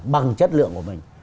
bằng chất lượng của mình